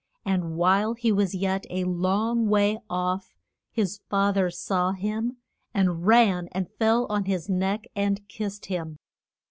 And while he was yet a long way off his fa ther saw him, and ran and fell on his neck and kissed him.